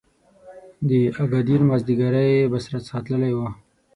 د اګادیر مازیګری بس را څخه تللی و.